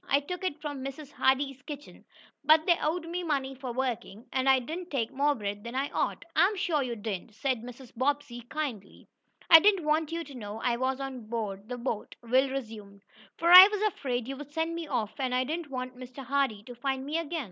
"I took it from Mrs. Hardee's kitchen, but they owed me money for working, and I didn't take more bread than I ought." "I'm sure you didn't," said Mrs. Bobbsey, kindly. "I didn't want you to know I was on board the boat," Will resumed, "for I was afraid you'd send me off, and I didn't want Mr. Hardee to find me again.